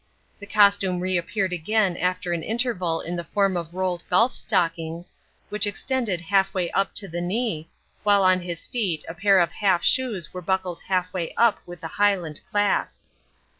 The costume reappeared again after an interval in the form of rolled golf stockings, which extended half way up to the knee, while on his feet a pair of half shoes were buckled half way up with a Highland clasp.